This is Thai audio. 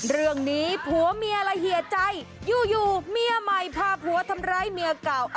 เรื่องนี้ผัวเมียละเฮียใจอยู่เมียใหม่พาผัวทำร้ายเมียเก่า